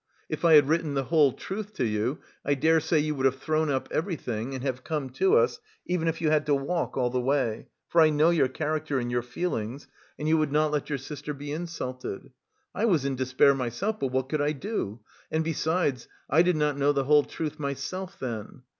If I had written the whole truth to you, I dare say you would have thrown up everything and have come to us, even if you had to walk all the way, for I know your character and your feelings, and you would not let your sister be insulted. I was in despair myself, but what could I do? And, besides, I did not know the whole truth myself then.